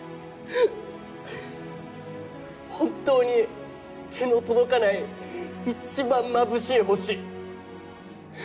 本当に手の届かない一番まぶしい星。